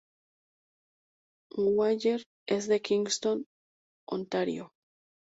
Waller es de Kingston, Ontario.